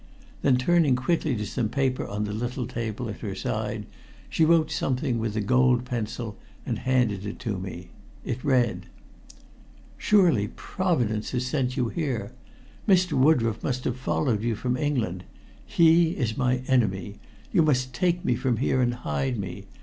Then turning quickly to some paper on the little table at her side she wrote something with a gold pencil and handed to me. It read "Surely Providence has sent you here! Mr. Woodroffe must have followed you from England. He is my enemy. You must take me from here and hide me.